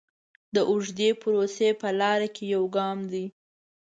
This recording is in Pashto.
د اوږدې پروسې په لاره کې یو ګام دی.